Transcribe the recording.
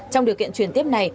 trong điều kiện truyền tiếp này